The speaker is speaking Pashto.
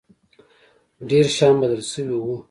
ډېر شيان بدل سوي وو.